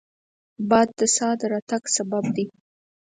باد د سا د راتګ سبب دی